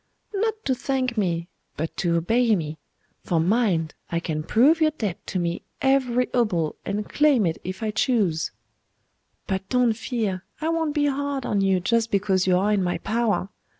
'Not to thank me, but to obey me; for mind, I can prove your debt to me, every obol, and claim it if I choose. But don't fear; I won't be hard on you, just because you are in my power.